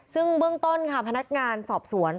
ซึ่งเบื้องต้นค่ะพนักงานสอบสวน